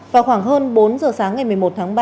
vào khoảng hơn bốn giờ sáng ngày một mươi một tháng ba